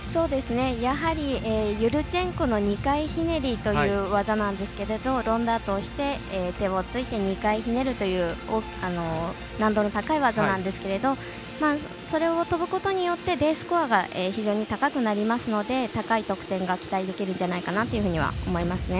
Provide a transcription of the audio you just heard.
やはりユルチェンコの２回ひねりという技なんですがロンダートをして手をついて２回ひねるという難度の高い技なんですけどそれを跳ぶことによってＤスコアが非常に高くなりますので高い得点が期待できるんじゃないかなと思いますね。